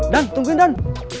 dan tungguin dan